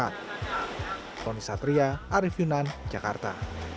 tony satria arief yunan jakarta